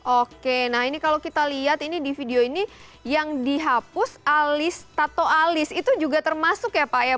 oke nah ini kalau kita lihat ini di video ini yang dihapus alis tato alis itu juga termasuk ya pak ya